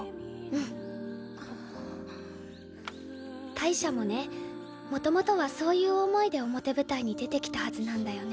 大赦もねもともとはそういう思いで表舞台に出てきたはずなんだよね。